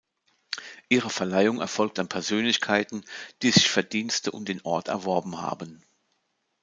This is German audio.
Ihre Verleihung erfolgt an Persönlichkeiten, die sich Verdienste um den Ort erworben haben.